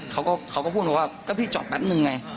เขาก็เขาก็พูดมาว่าก็พี่จอดแป๊บนึงไง